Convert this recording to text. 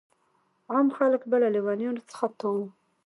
عام خلک به له لیونیانو څخه تاو وو.